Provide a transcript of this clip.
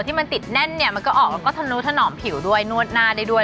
ที่มันติดแน่นเนี่ยมันก็ออกแล้วก็ทะลุถนอมผิวด้วยนวดหน้าได้ด้วย